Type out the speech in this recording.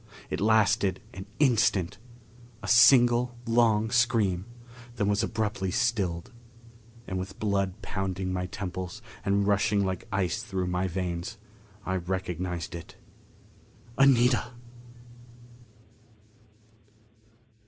It lasted an instant a single long scream; then was abruptly stilled. And with blood pounding my temples and rushing like ice through my veins, I recognized it. Anita!